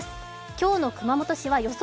今日の熊本市は予想